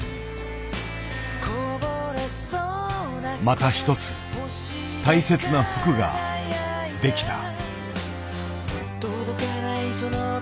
また一つ大切な服が出来た。